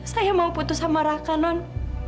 saya mau putus sama raka non